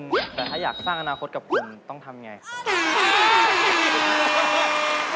แต่ถ้าอยากสร้างอนาคตกับผมต้องทำไง